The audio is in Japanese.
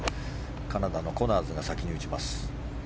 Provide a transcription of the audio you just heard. カナダのコナーズが先に打ちます。